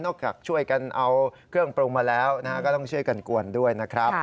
จากช่วยกันเอาเครื่องปรุงมาแล้วก็ต้องช่วยกันกวนด้วยนะครับ